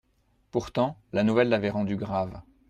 Pourtant, la nouvelle l'avait rendu grave.